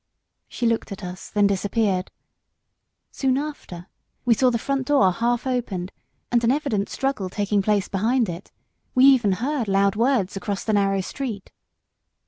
She looked at us, then disappeared. Soon after, we saw the front door half opened, and an evident struggle taking place behind it; we even heard loud words across the narrow street.